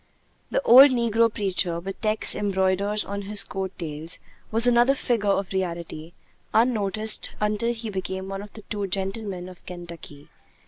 The old negro preacher, with texts embroidered on his coat tails, was another figure of reality, unnoticed until he became one of the 'Two Gentlemen of Kentucky.'